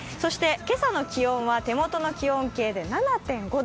今朝の気温は手元の気温計で７．５度。